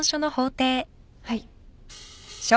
はい。